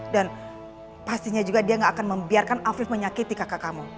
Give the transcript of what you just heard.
dan pastinya juga dia gak akan membiarkan afif menyakiti kakak kamu